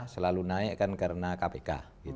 selalu naik kan karena kpk